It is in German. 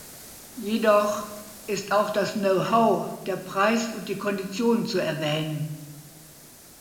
Jedoch ist auch das Know-how, der Preis und die Konditionen zu erwähnen.